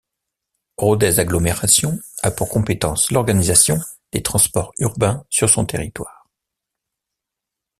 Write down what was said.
Rodez Agglomération a pour compétence l'organisation des transports urbains sur son territoire.